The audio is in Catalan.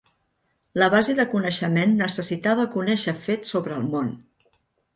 La base de coneixement necessitava conèixer fets sobre el món.